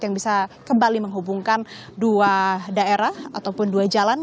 yang bisa kembali menghubungkan dua daerah ataupun dua jalan